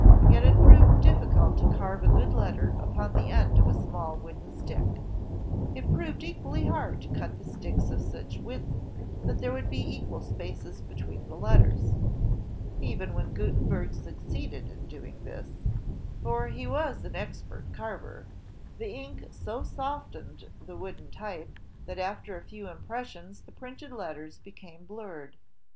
Yet it proved difficult to carve a good letter upon the end of a small wooden stick. It proved equally hard to cut the sticks of such width that there would be equal spaces between the letters. Even when Gutenberg succeeded in doing this, for he was JOHN GUTENBERG 1 95 an expert carver, the ink so softened the wooden type, that after a few impressions the printed letters became blurred.